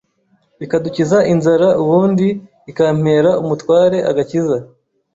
ikadukiza inzara ubundi ikampera umutware agakiza